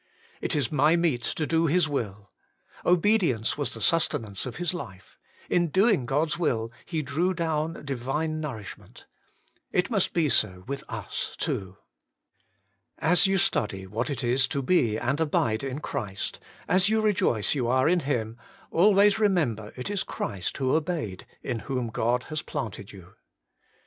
'It is my meat to do His will ;' obedience was the sustenance of His life ; in doing God's will He drew down Divine nourishment; it must be so with us too. 3. As you study what it is to be and abide in Christ, as you rejoice you are in Him, always remember it is Christ who obeyed in whom God has planted you.